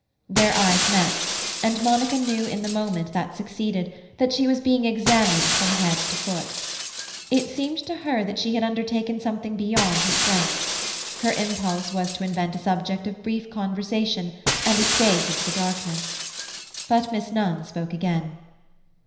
Their eyes met, and Monica knew in the moment that succeeded that she was being examined from head to foot. It seemed to her that she had undertaken something beyond her strength; her impulse was to invent a subject of brief conversation and escape into the darkness. But Miss Nunn spoke again.